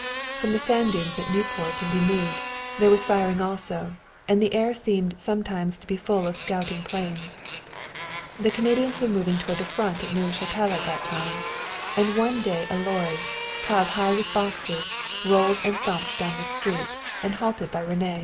From the sand dunes at Nieuport and Dixmude there was firing also, and the air seemed sometimes to be full of scouting planes. The Canadians were moving toward the Front at Neuve Chapelle at that time. And one day a lorry, piled high with boxes, rolled and thumped down the street, and halted by René.